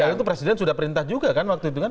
karena itu presiden sudah perintah juga kan waktu itu kan